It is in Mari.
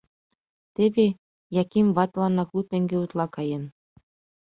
Теве Яким ватыланак лу теҥге утла каен.